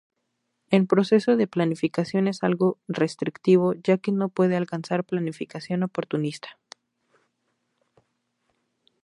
El proceso de planificación es algo restrictivo ya que no puede alcanzar planificación oportunista.